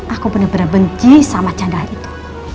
aku benar benar benci sama canda itu